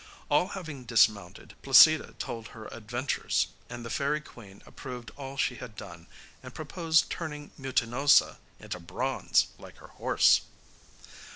All having dismounted, Placida told her adventures, and the fairy queen approved all she had done, and proposed turning Mutinosa into bronze like her horse.